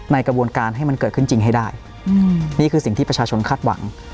กระบวนการให้มันเกิดขึ้นจริงให้ได้นี่คือสิ่งที่ประชาชนคาดหวัง